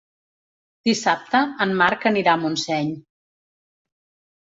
Dissabte en Marc anirà a Montseny.